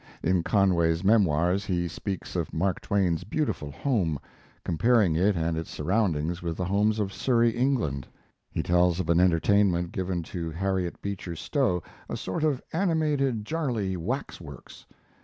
In Conway's Memoirs he speaks of Mark Twain's beautiful home, comparing it and its surroundings with the homes of Surrey, England. He tells of an entertainment given to Harriet Beecher Stowe, a sort of animated jarley wax works.